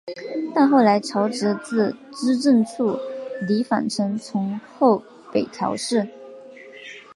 但后来朝直自资正处离反臣从后北条氏。